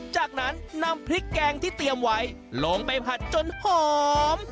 จากนั้นนำพริกแกงที่เตรียมไว้ลงไปผัดจนหอม